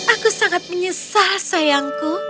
aku sangat menyesal sayangku